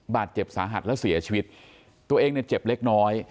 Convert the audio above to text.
บาดเจ็บสาหัสและเสียชีวิตตัวเองเนี่ยเจ็บเล็กน้อย